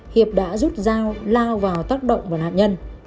hiệp đã rút dao lao vào tác động của nạn nhân